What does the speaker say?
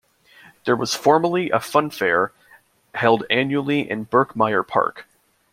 There was formerly a funfair held annually in Birkmyre Park.